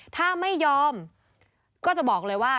ถ้าไม่ยอมก็จะบอกเลยว่า